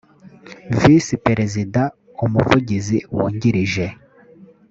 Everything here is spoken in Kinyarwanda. visi perezida umuvugizi wungirije